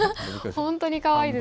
本当にかわいい。